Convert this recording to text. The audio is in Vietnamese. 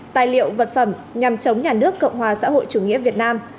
tài liệu vật phẩm nhằm chống nhà nước cộng hòa xã hội chủ nghĩa việt nam